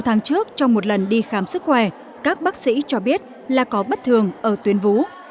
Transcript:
sáu tháng trước trong một lần đi khám sức khỏe các bác sĩ cho biết là có bất thường ở tuyến vú